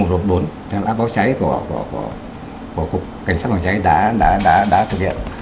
cái app báo cháy của cục cảnh sát phòng cháy đã thực hiện